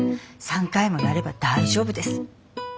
３回もやれば大丈夫です。